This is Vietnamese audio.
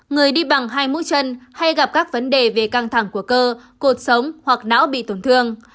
người đi bằng hai mũi chân hay gặp các vấn đề về căng thẳng của cơ cột sống hoặc não bị tổn thương